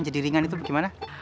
jadi ringan itu gimana